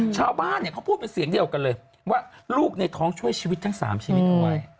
ชาวบ้านเนี่ยเขาพูดเป็นเสียงเดียวกันเลยว่าลูกในท้องช่วยชีวิตทั้ง๓ชีวิตเอาไว้